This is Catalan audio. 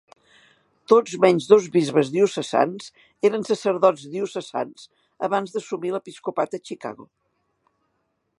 Tots menys dos bisbes diocesans eren sacerdots diocesans abans d'assumir l'episcopat a Chicago.